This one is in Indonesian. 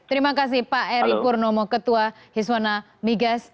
terima kasih pak eri purnomo ketua hiswana migas